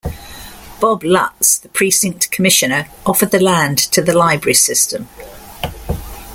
Bob Lutts, the precinct commissioner, offered the land to the library system.